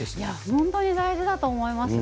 本当に大事だと思いますね。